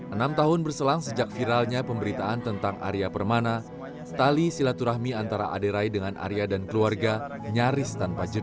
enam tahun berselang sejak viralnya pemberitaan tentang arya permana tali silaturahmi antara aderai dengan arya dan keluarga nyaris tanpa jeda